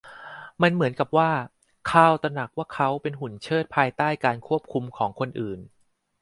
มันเหมือนกับว่าคาร์ลตระหนักว่าเขาเป็นหุ่นเชิดภายใต้การควบคุมของคนอื่น